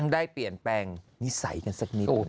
ได้เปลี่ยนแปลงนิสัยกันสักนิดหนึ่ง